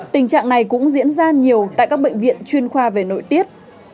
tình trạng này cũng diễn ra nhiều tại các bệnh viện chuyên khoa về nội tiết